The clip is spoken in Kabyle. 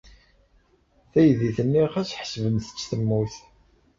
Taydit-nni ɣas ḥesbemt-tt temmut.